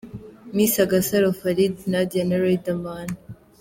Miss Agasaro Farid Nadia na Riderman.